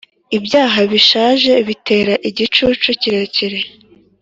ibyaha bishaje bitera igicucu kirekire